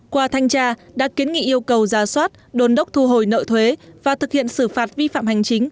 qua thanh tra đã kiến nghị yêu cầu giả soát đồn đốc thu hồi nợ thuế và thực hiện xử phạt vi phạm hành chính